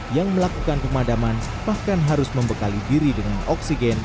yang melakukan pemadaman bahkan harus membekali diri dengan oksigen